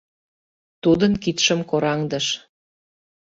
Тудын кидшым кораҥдыш.